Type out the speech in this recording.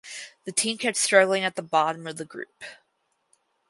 The team kept struggling at the bottom of the group.